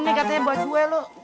ini katanya buat gue loh